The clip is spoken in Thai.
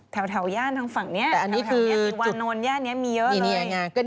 แต่วันนนนกร้านดรับที่บนทางเนี้ยมีมีเยอะเลย